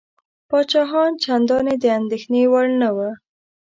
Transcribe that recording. پاچاهان چنداني د اندېښنې وړ نه وه.